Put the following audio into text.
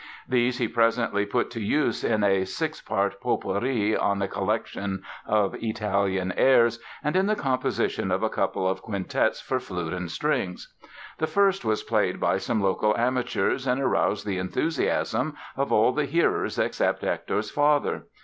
These he presently put to use in a "six part potpourri on a collection of Italian airs" and in the composition of a couple of quintets for flute and strings. The first was played by some local amateurs and aroused the enthusiasm of all the hearers except Hector's father.